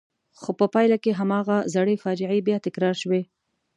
خو په پایله کې هماغه زړې فاجعې بیا تکرار شوې.